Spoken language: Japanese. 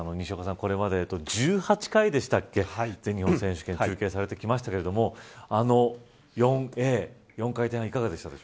これまで１８回でしたっけ全日本選手権中継されてきましたけど４回転半、いかがでしたか。